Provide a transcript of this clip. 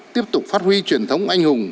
tiếp tục phát huy truyền thống anh hùng